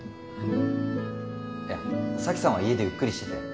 いや沙樹さんは家でゆっくりしてて。